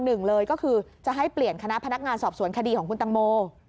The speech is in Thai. หนึ่งเลยก็คือจะให้เปลี่ยนคณะพนักงานสอบสวนคดีของคุณตังโม